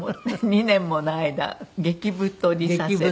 ２年もの間激太りさせて。